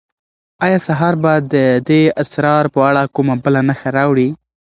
آیا سهار به د دې اسرار په اړه کومه بله نښه راوړي؟